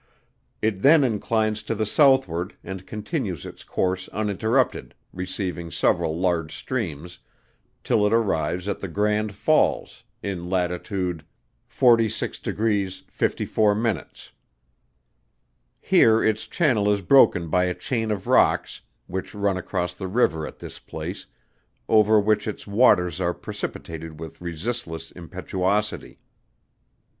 It then inclines to the southward, and continues its course uninterrupted, receiving several large streams, till it arrives at the Grand Falls, in lat. 46° 54'. Here its channel is broken by a chain of rocks, which run across the river at this place, over which its waters are precipitated with resistless impetuosity.